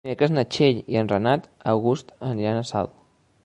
Dimecres na Txell i en Renat August aniran a Salt.